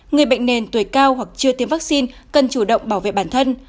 người bệnh nền tuổi cao hoặc chưa tiêm vaccine cần chủ động bảo vệ bản thân